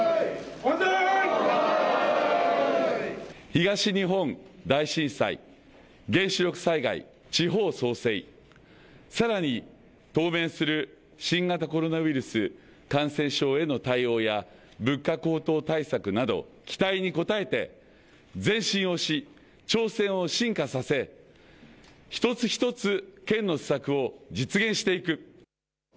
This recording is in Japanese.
東日本大震災、原子力災害、地方創生、さらに当面する新型コロナウイルス感染症への対応や物価高騰対策など期待に応えて前進をし挑戦を進化させ一つ一つ県の施策を実現していく。